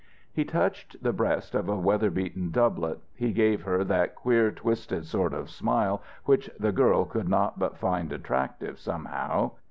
He touched the breast of a weather beaten doublet. He gave her that queer twisted sort of smile which the girl could not but find attractive, somehow.